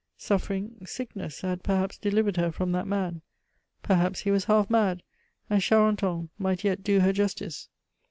Suffering, sickness, had perhaps delivered her from that man. Perhaps he was half mad, and Charenton might yet do her justice.